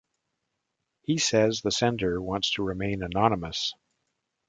He says the sender wants to remain anonymous.